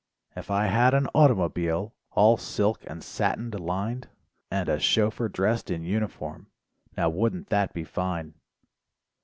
If I had an automobile, All silk and satined lined, And a chauffeur dressed in uniform. Now wouldn't that be fine?